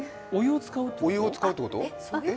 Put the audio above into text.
お湯を使うっていうこと？